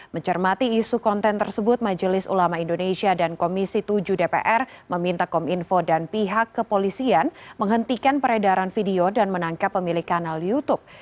mencermati isu konten tersebut majelis ulama indonesia dan komisi tujuh dpr meminta kominfo dan pihak kepolisian menghentikan peredaran video dan menangkap pemilik kanal youtube